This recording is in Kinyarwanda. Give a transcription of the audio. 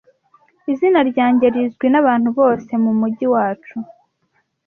Izina ryanjye rizwi nabantu bose mumujyi wacu.